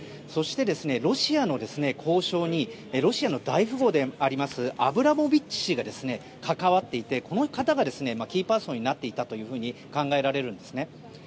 そして、ロシアの交渉にロシアの大富豪でありますアブラモビッチ氏が関わっていてこの方がキーパーソンになっていたと考えられるんですね。